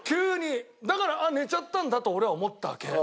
だから「あっ寝ちゃったんだ」と俺は思ったわけ。